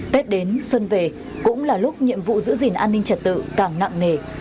tết đến xuân về cũng là lúc nhiệm vụ giữ gìn an ninh trật tự càng nặng nề